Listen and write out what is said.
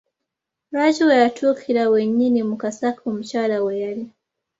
Lwaki we yatuukira wennyini mu kasaka omukyala we yali?